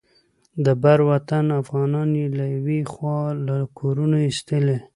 د بر وطن افغانان یې له یوې خوا له کورونو ایستلي.